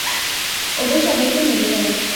ওদের সবাইকে মেরে ফেলো!